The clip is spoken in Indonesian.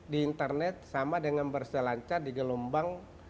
di internet sama dengan berselancar di gelombang